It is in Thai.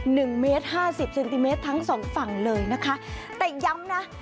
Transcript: หนึ่งเมตรห้าสิบเซนติเมตรทั้งสองฝั่งเลยนะคะแต่ย้ำนะ